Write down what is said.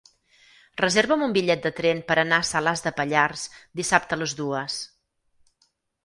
Reserva'm un bitllet de tren per anar a Salàs de Pallars dissabte a les dues.